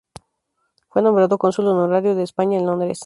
Fue nombrado Cónsul honorario de España en Londres.